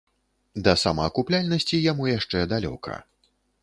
Да самаакупляльнасці яму яшчэ далёка.